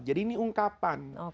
jadi ini ungkapan